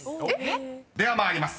［では参ります。